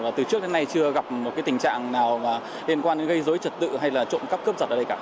và từ trước đến nay chưa gặp một tình trạng nào liên quan đến gây dối trật tự hay là trộm cắp cướp giật ở đây cả